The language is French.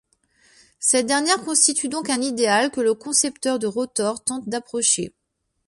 Cette dernière constitue donc un idéal que le concepteur de rotor tente d'approcher.